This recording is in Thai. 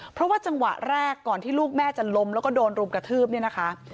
เพราะว่าจังหวะแรกก่อนที่ลูกแม่จะล้มแล้วก็โดนรุมกระทืบเนี่ยนะคะ